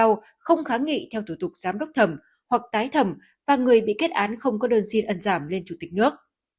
tòa án nhân dân tối cao không kháng nghị theo thủ tục giám đốc thẩm hoặc tái thẩm và người bị kết án không có đơn xin ân giảm lên chủ tịch nước